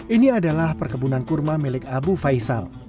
ini adalah perkebunan kurma milik abu faisal